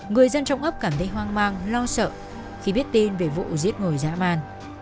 người dân trong ấp cảm thấy hoang mang lo sợ khi biết tin về vụ giết người dã man